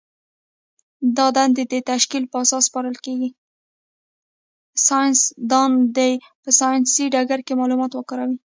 ساینس دان دي په ساینسي ډګر کي معلومات وکاروي.